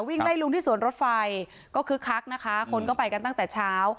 วิ่งไล่ลุงที่สวนรถไฟก็คึกคักนะคะคนก็ไปกันตั้งแต่เช้า